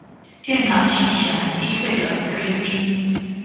电脑奇侠击退了追兵。